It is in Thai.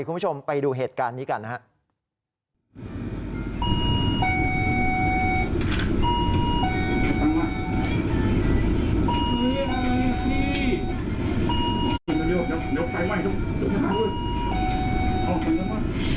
คุณผู้ชมไปดูเหตุการณ์นี้กันนะครับ